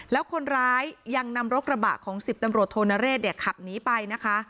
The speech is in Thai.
แล้วคนร้ายยังนำรถกระบะของ๑๐ตำรวจโทนเรศขับหนีไปนะคะ